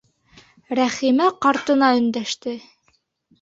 Рәхимә ҡартына өндәште: